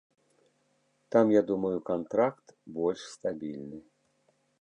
Там, я думаю, кантракт больш стабільны.